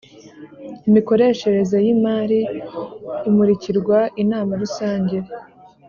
Imikoreshereze y’ imari imurikirwa inama rusange